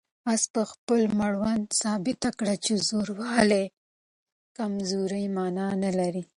آس په خپل مړوند ثابته کړه چې زوړوالی د کمزورۍ مانا نه لري.